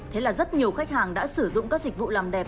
thế là rất nhiều khách hàng đã sử dụng các dịch vụ làm đẹp